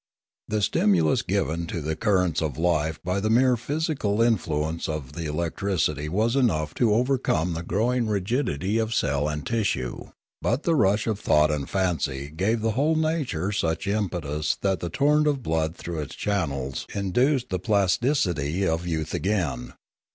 The stimulus given to the currents of life by the mere phy sical influence of the electricity was enough to overcome the growing rigidity of cell and tissue; but the rush of thought and fancy gave the whole nature such im petus that the torrent of the blood through its chan nels induced the plasticity of youth again.